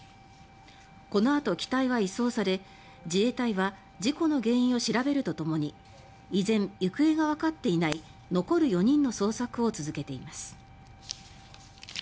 このあと、機体は移送され自衛隊は事故の原因を調べるとともに依然行方がわかっていない残る４人の捜索を続けています。